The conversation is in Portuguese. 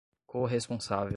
corresponsável